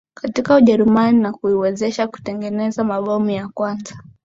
katika Ujerumani na kuiwezesha kutengeneza mabomu ya kwanza